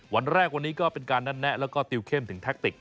วันแรกวันนี้ก็เป็นการนัดแนะแล้วก็ติวเข้มถึงแท็กติก